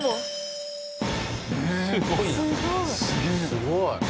すごいな。